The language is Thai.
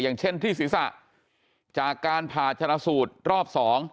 อย่างเช่นที่ศีรษะจากการผ่าชนะสูตรรอบ๒